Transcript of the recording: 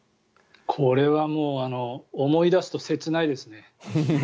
これはもう思い出すと切ないですね。